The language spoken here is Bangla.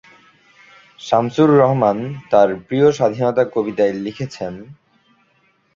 শামসুর রাহমান তাঁর প্রিয় স্বাধীনতা কবিতায় লিখেছেন,